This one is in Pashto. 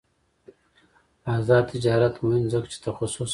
آزاد تجارت مهم دی ځکه چې تخصص هڅوي.